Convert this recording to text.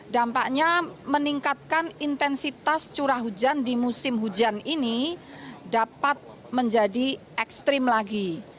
dampaknya meningkatkan intensitas curah hujan di musim hujan ini dapat menjadi ekstrim lagi